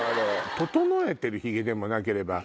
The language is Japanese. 整えてるヒゲでもなければ。